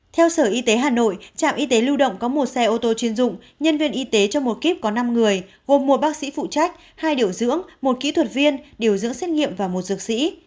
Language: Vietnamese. theo sở y tế hà nội trạm y tế lưu động có một xe ô tô chuyên dụng nhân viên y tế trong một kíp có năm người gồm một bác sĩ phụ trách hai điều dưỡng một kỹ thuật viên điều dưỡng xét nghiệm và một dược sĩ